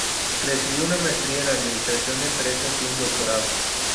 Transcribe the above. Recibió una maestría en administración de empresas y un doctorado.